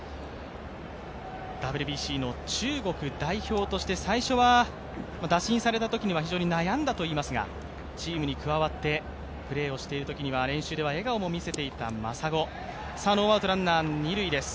ＷＢＣの中国代表として最初は打診されたときには非常に悩んだといいますが、チームに加わってプレーをしているときには練習では笑顔も見せていた真砂。